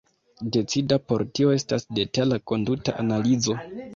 Decida por tio estas detala konduta analizo.